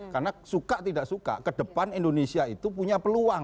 karena suka tidak suka ke depan indonesia itu punya peluang